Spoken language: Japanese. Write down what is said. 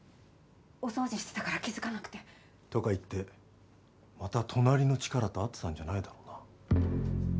お掃除してたから気づかなくて。とか言ってまた隣のチカラと会ってたんじゃないだろうな？